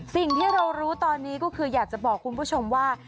สิ่งที่เรารู้ตอนนี้ก็คืออยากจะบอกคุณผู้ชมว่า